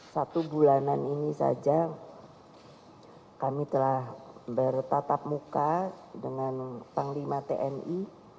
satu bulanan ini saja kami telah bertatap muka dengan panglima tni